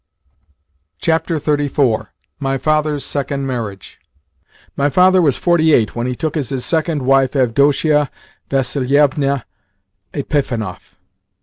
XXXIV. MY FATHER'S SECOND MARRIAGE MY father was forty eight when he took as his second wife Avdotia Vassilievna Epifanov.